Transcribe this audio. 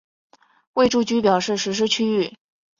为住居表示实施区域。